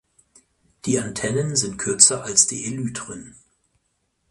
Die Antennen sind kürzer als die Elytren.